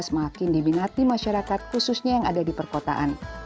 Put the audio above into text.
semakin diminati masyarakat khususnya yang ada di perkotaan